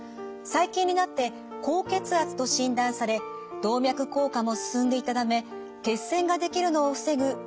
最近になって高血圧と診断され動脈硬化も進んでいたため血栓が出来るのを防ぐ